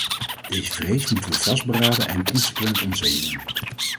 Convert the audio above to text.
Deze vrees moeten we vastberaden en consequent ontzenuwen.